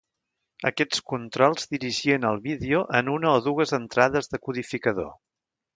Aquests controls dirigien el vídeo en una o dues entrades de codificador.